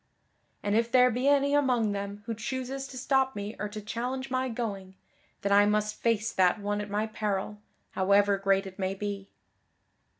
And if there be any among them who chooses to stop me or to challenge my going, then I must face that one at my peril, however great it may be."